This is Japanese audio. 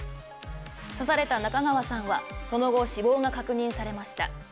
刺された中川さんはその後、死亡が確認されました。